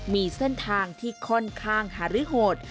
มีเส้นทางที่ค่อนข้างหารือโหด